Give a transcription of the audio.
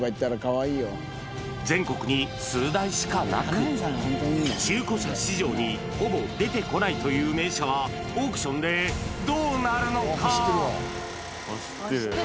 全国に数台しかなく、中古車市場にほぼ出てこないという名車は、オークションでどうなるのか。